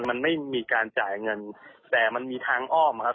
มันไม่มีการจ่ายเงินแต่มันมีทางอ้อมครับ